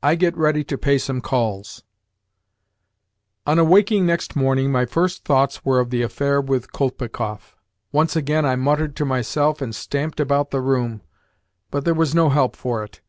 I GET READY TO PAY SOME CALLS On awaking next morning my first thoughts were of the affair with Kolpikoff. Once again I muttered to myself and stamped about the room, but there was no help for it.